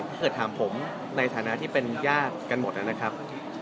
ถ้าเกิดถามผมในฐานะที่เป็นญาติกันหมดนะครับ